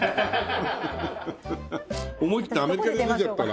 思い切ってアメリカで出ちゃったら？